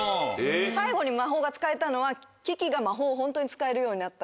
最後に魔法が使えたのはキキが魔法をホントに使えるようになった。